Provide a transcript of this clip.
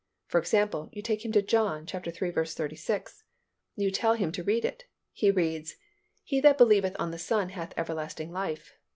For example, you take him to John iii. 36. You tell him to read it. He reads, "He that believeth on the Son hath everlasting life."